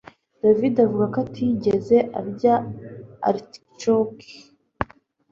David avuga ko atigeze arya artichoke